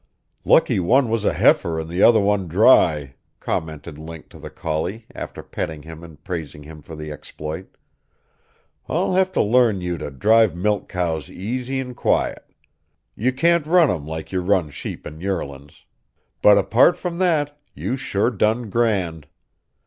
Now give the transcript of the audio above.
"Lucky one was a heifer an' the other one dry!" commented Link to the collie, after petting him and praising him for the exploit. "I'll have to learn you to drive milch cows easy an' quiet. You can't run 'em like you run sheep an' yearlin's. But apart from that, you sure done grand.